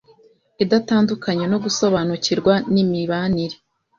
idatandukanye no gusobanukirwa n'imibanire